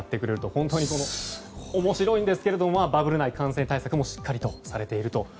面白いんですけれどもバブル内感染対策もしっかりされていると。